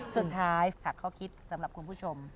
สุดท้ายฝากข้อคิดสำหรับคุณผู้ชม